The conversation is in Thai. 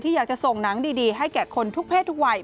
อยากจะส่งหนังดีให้แก่คนทุกเพศทุกวัย